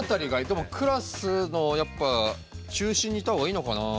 でもクラスのやっぱ中心にいた方がいいのかなあ？